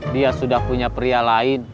dia sudah punya pria lain